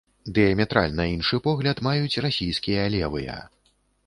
Дыяметральна іншы погляд маюць расійскія левыя.